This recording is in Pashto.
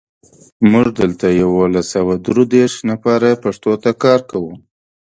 موږ دلته یولس سوه درودېرش نفره پښتو ته کار کوو.